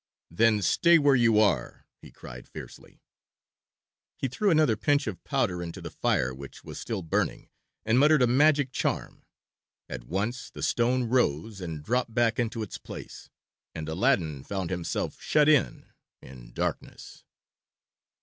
"Then stay where you are," he cried fiercely. He threw another pinch of powder into the fire which was still burning, and muttered a magic charm. At once the stone rose and dropped back into its place, and Aladdin found himself shut in, in darkness.